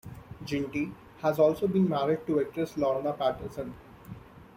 Ginty had also been married to actress Lorna Patterson.